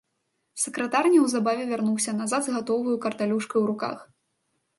Сакратар неўзабаве вярнуўся назад з гатоваю карталюшкаю ў руках.